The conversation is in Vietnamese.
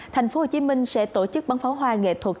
tp hcm sẽ tổ chức bắn pháo hoa nghệ thuật